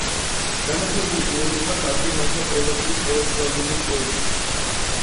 განათლებული პიროვნება, კარდინალთა კოლეგიის ყველაზე გავლენიანი წევრი.